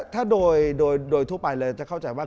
ถ้าโดยทั่วไปเลยจะเข้าใจว่า